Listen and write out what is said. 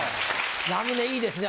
ラムネいいですね